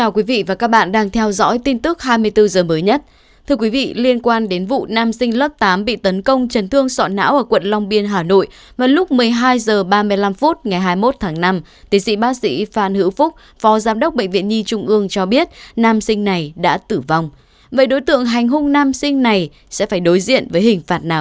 các bạn hãy đăng ký kênh để ủng hộ kênh của chúng mình nhé